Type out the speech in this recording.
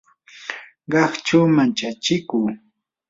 qaqchu manchachiku